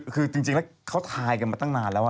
คือจริงแล้วเขาทายกันมาตั้งนานแล้ว